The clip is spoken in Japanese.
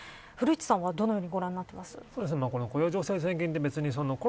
古市さんはどのようにご覧になってますか。